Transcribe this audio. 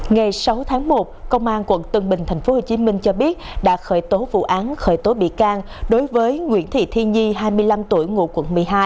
ngày sáu tháng một công an tp hcm cho biết đã khởi tố vụ án khởi tố bị can đối với nguyễn thị thiên nhi hai mươi năm tuổi ngụ quận một mươi hai